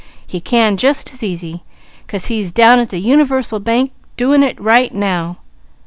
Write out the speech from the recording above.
"He can just as easy, 'cause he's down at the Universal Bank doing it right now!"